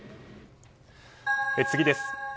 次です。